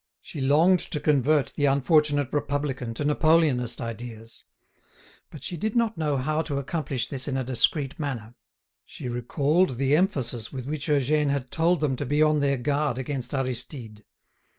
She longed to convert the unfortunate republican to Napoleonist ideas; but she did not know how to accomplish this in a discreet manner. She recalled the emphasis with which Eugène had told them to be on their guard against Aristide.